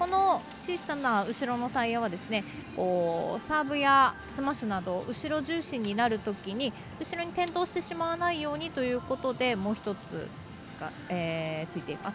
小さな後ろのタイヤはサーブや、スマッシュなど後ろ重心になるときに後ろに転倒してしまわないようにということでもう１つ、ついています。